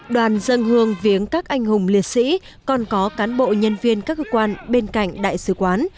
đoàn dân hương viếng các anh hùng liệt sĩ còn có cán bộ nhân viên các cơ quan bên cạnh đại sứ quán